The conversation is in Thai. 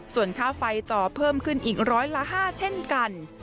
ส่วนค่าไฟต่อเพิ่มขึ้นอีกร้อยละ๕เช่นกัน